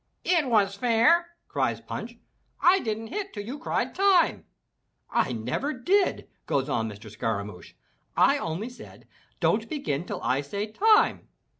"It was fair!" cries Punch, "I didn't hit till you cried Time.' " "I never did!" goes on Mr. Scaramouch. "I only said, 'Don't begin till I say Time.'